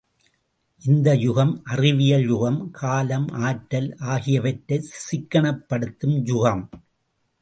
இந்த யுகம் அறிவியல் யுகம், காலம், ஆற்றல் ஆகியவற்றைச் சிக்கனப்படுத்தும் யுகம்.